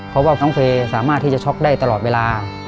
เพราะว่าน้องเฟย์สามารถที่จะช็อกได้ตลอดเวลา